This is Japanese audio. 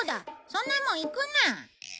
そんなもん行くな！